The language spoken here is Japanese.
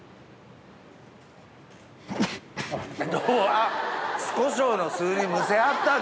あっ。